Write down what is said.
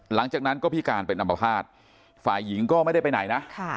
หลังจากนั้นก็พิการเป็นอัมพาตฝ่ายหญิงก็ไม่ได้ไปไหนนะ